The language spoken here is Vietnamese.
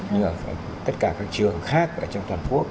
nhưng mà tất cả các trường khác ở trong toàn quốc